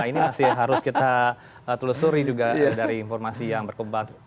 ini masih harus kita telusuri juga dari informasi yang berkembang